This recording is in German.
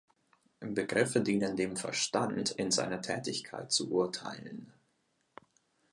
Begriffe dienen dem Verstand in seiner Tätigkeit zu urteilen.